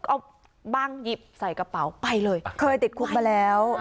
เอาบ้างหยิบใส่กระเป๋าไปเลยเคยติดคุกมาแล้ว